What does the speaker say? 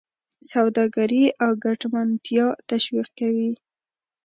سوداګري او ګټمنتیا تشویقوي.